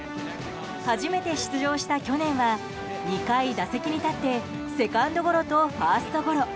初めて出場した去年は２回打席に立ってセカンドゴロとファーストゴロ。